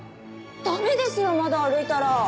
ダメですよまだ歩いたら。